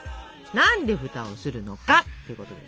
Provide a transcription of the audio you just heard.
何で蓋をするのかってことです。